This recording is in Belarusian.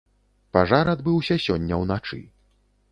Пажар адбыўся сёння ўначы.